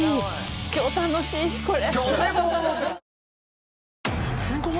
今日楽しい！これ。